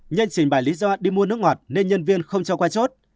nhân trình bài lý do đi mua nước ngọt nên nhân viên không cho qua chốt